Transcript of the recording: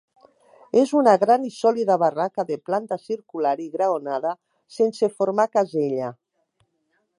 És una gran i sòlida barraca de planta circular i graonada, sense formar casella.